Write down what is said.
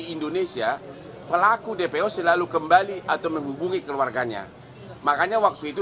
indonesia pelaku dpo selalu kembali atau menghubungi keluarganya makanya waktu itu